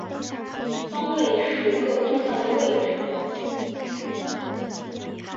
方位是各方向的位置。